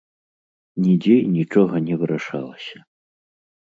Нідзе і нічога не вырашалася!